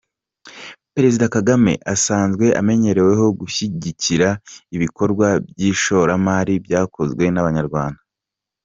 Perezida Kagame asanzwe amenyereweho gushyigikira ibikorwa by’ishoramari byakozwe n’Abanyarwanda.